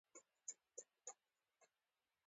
باد د اور د خپرېدو سبب هم کېږي